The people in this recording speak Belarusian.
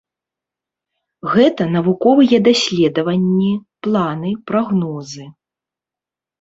Гэта навуковыя даследаванні, планы, прагнозы.